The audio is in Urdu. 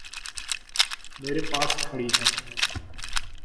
میرے پاس کھڑی ہے۔